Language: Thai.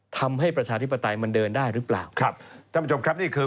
ประชาธิปไตยมันเดินได้หรือเปล่าครับท่านผู้ชมครับนี่คือ